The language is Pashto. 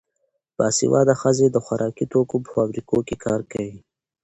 باسواده ښځې د خوراکي توکو په فابریکو کې کار کوي.